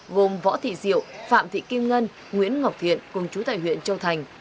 gồm võ thị diệu phạm thị kim ngân nguyễn ngọc thiện cùng chú tại huyện châu thành